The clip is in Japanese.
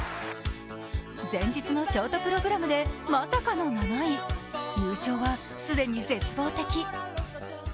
前日のショートプログラムでまさかの７位優勝は既に絶望的。